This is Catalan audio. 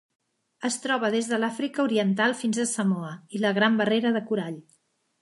Es troba des de l'Àfrica Oriental fins a Samoa i la Gran Barrera de Corall.